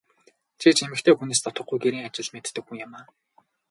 Чи ч эмэгтэй хүнээс дутахгүй гэрийн ажил мэддэг хүн юмаа.